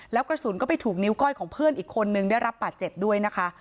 แล้วกระสุนก็ไปถูกนิ้วก้อยของเพื่อนอีกคนนึงได้รับบาดเจ็บด้วยนะคะ